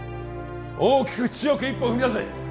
大きく強く一歩を踏み出せ！